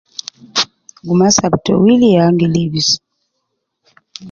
Gumas ab towili ya angi libis.